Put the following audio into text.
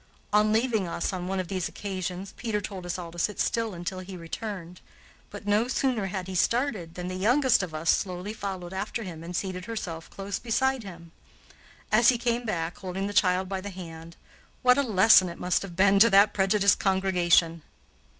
On leaving us, on one of these occasions, Peter told us all to sit still until he returned; but, no sooner had he started, than the youngest of us slowly followed after him and seated herself close beside him. As he came back, holding the child by the hand, what a lesson it must have been to that prejudiced congregation!